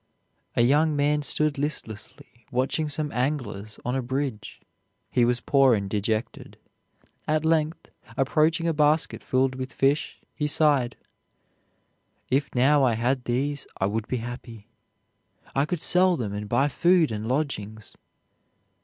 A young man stood listlessly watching some anglers on a bridge. He was poor and dejected. At length, approaching a basket filled with fish, he sighed, "If now I had these I would be happy. I could sell them and buy food and lodgings."